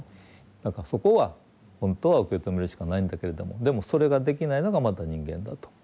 だからそこは本当は受け止めるしかないんだけれどもでもそれができないのがまた人間だと。